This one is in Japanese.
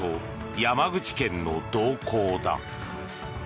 山口県の動向だ。